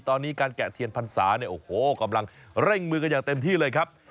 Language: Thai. ตอนนี้การแกะเทียนพรรษาเนี่ยโอ้โหกำลังเร่งมือกันอย่างเต็มที่เลยครับ